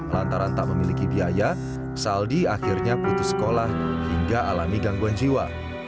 lantaran tak memiliki biaya saldi akhirnya putus sekolah hingga alami gangguan jiwa